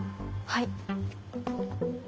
はい。